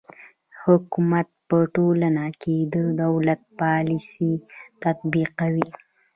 حکومت په ټولنه کې د دولت پالیسي تطبیقوي.